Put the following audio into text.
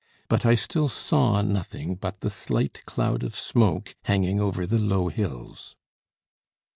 But I still saw nothing but the slight cloud, of smoke hanging over the low hills.